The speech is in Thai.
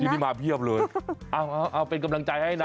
นี่มาเพียบเลยเอาเป็นกำลังใจให้นะ